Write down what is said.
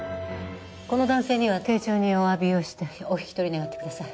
この男性には丁重にお詫びをしてお引き取り願ってください。